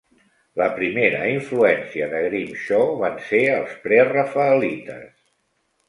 La primera influència de Grimshaw van ser els prerafaelites.